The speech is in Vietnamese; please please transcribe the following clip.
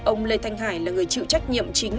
ông lê thanh hải là người chịu trách nhiệm chính